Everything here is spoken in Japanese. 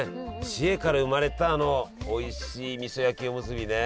知恵から生まれたあのおいしいみそ焼きおむすびね。